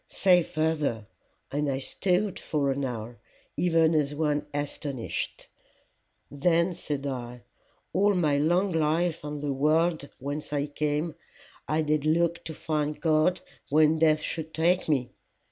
Say further. And I stood for an hour, even as one astonied. Then said I, All my long life on the world whence I came, I did look to find God when death should take me.